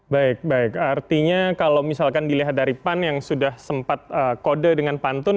baik baik artinya kalau misalkan dilihat dari pan yang sudah sempat kode dengan pantun